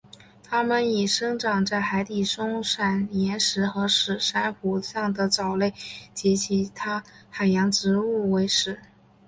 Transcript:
它们以生长在海底松散岩石和死珊瑚上的藻类及其他海洋植物为食。